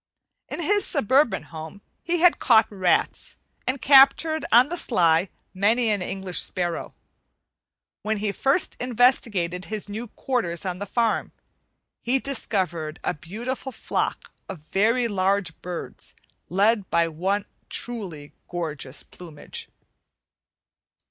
In his suburban home he had caught rats and captured on the sly many an English sparrow. When he first investigated his new quarters on the farm, he discovered a beautiful flock of very large birds led by one of truly gorgeous plumage.